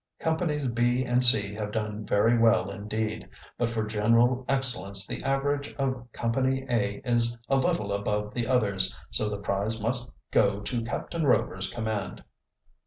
"Companies B and C have done very well indeed. But for general excellence the average of Company A is a little above the others, so the prize must go to Captain Rover's command."